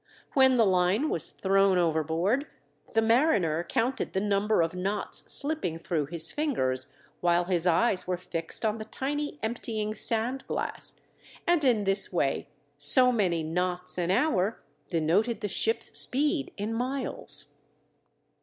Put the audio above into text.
When the line was thrown overboard the mariner counted the number of knots slipping through his fingers while his eyes were fixed on the tiny emptying sand glass, and in this way so many "knots" an hour denoted the ship's speed in miles.